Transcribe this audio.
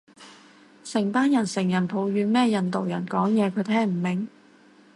成班人成人抱怨咩印度人講嘢佢聽唔明